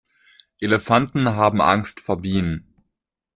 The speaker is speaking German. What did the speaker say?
Elefanten haben Angst vor Bienen.